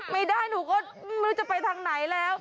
ไม่ได้หนูก็ไม่รู้จะไปทางไหนแล้ว